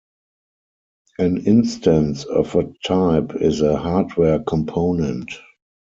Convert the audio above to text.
An instance of a type is a hardware component.